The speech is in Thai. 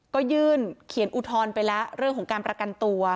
ก็ยื่นเขียนอุทธรณ์ไปแล้วเรื่องของการประกันตัว